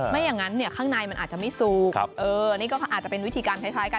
ไม่อย่างนั้นเนี่ยข้างในมันอาจจะไม่สูบนี่ก็อาจจะเป็นวิธีการคล้ายกัน